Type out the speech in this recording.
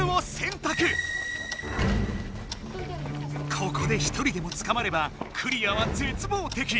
ここで１人でもつかまればクリアはぜつぼうてき。